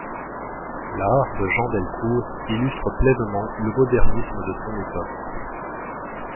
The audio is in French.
L'art de Jean Del Cour illustre pleinement le modernisme de son époque.